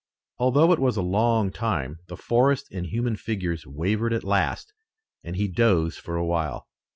Although it was a long time, the forest and human figures wavered at last, and he dozed for a while.